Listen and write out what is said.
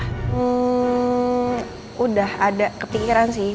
hmm udah ada kepikiran sih